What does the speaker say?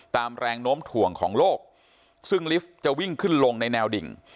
ตามแรงโน้มถ่วงของโลกซึ่งลิฟต์จะวิ่งขึ้นลงในแนวดิ่ง